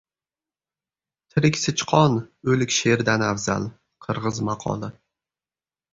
Tirik sichqon o‘lik sherdan afzal. Qirg‘iz maqoli